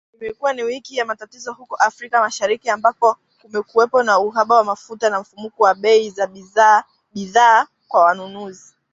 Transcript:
Imekuwa ni wiki ya matatizo huko Afrika Mashariki, ambako kumekuwepo na uhaba wa mafuta na mfumuko wa bei za bidhaa kwa wanunuzi